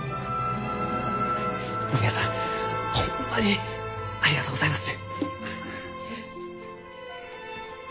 野宮さんホンマにありがとうございます。